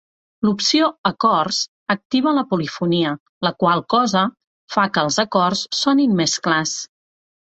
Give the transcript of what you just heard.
L'opció "Acords" activa la polifonia, la qual cosa fa que els acords sonin més clars.